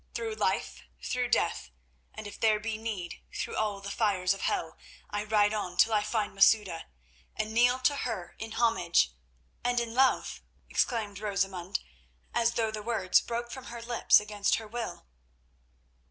Through life, through death, and if there be need, through all the fires of hell, I ride on till I find Masouda, and kneel to her in homage—" "And in love," exclaimed Rosamund, as though the words broke from her lips against her will.